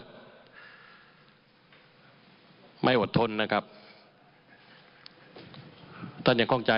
ผมวินิจฉัยแล้วตะกี้นี้ว่าอ่ะ